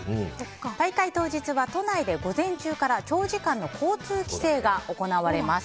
大会当日は都内で午前中から長時間の交通規制が行われます。